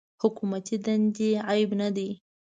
حکومتي دندې عیب نه دی.